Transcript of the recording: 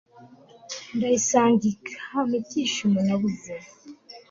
ndayisanga ikampa ibyishimo nabuze